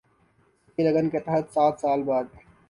سچی لگن کے تحت سات سال بعد